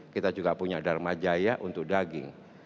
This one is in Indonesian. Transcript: kita juga punya dharma jaya untuk daging